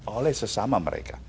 oleh sesama mereka